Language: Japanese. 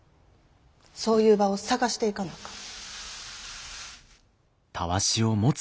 そういう場を探していかなあかん。